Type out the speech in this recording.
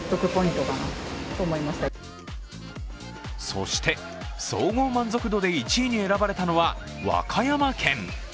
そして、総合満足度で１位に選ばれたのは和歌山県。